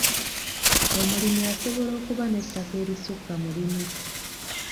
Omulimi asobola okuba n'ettaka erisukka mu limu.